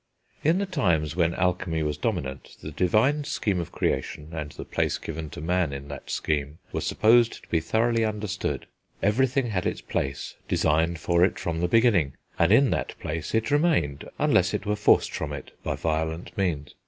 In the times when alchemy was dominant, the divine scheme of creation, and the place given to man in that scheme, were supposed to be thoroughly understood. Everything had its place, designed for it from the beginning, and in that place it remained unless it were forced from it by violent means.